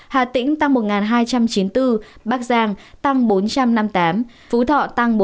hà tĩnh một nghìn hai trăm chín mươi bốn bắc giang bốn trăm năm mươi tám phú thọ bốn trăm một mươi bốn